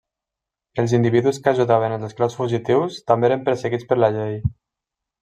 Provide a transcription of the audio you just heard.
Els individus que ajudaven els esclaus fugitius també eren perseguits per la llei.